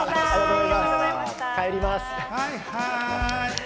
帰ります。